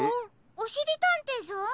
おしりたんていさん？